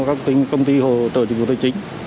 các công ty hỗ trợ dịch vụ tài chính